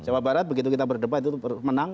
jawa barat begitu kita berdebat itu menang